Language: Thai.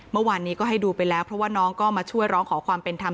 เมื่อวานนี้ก็ให้ดูไปแล้วเพราะว่าน้องก็มาช่วยร้องขอความเป็นธรรม